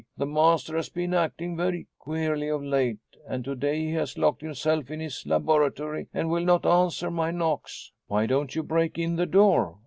The master has been acting very queerly of late, and to day he has locked himself in his laboratory and will not answer my knocks." "Why don't you break in the door?"